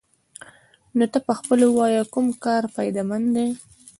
نو ته پخپله ووايه كوم كار فايده مند دې؟